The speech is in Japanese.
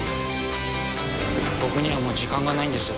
「僕にはもう時間がないんです」